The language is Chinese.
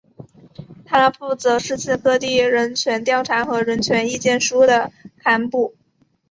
它负责世界各地人权调查和人权意见书的刊布。